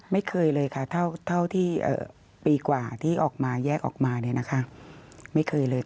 ไม่เคยเลยค่ะเท่าที่ปีกว่าที่ออกมาแยกออกมาเนี่ยนะคะไม่เคยเลย